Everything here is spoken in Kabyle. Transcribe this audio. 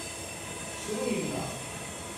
Tettru yemma.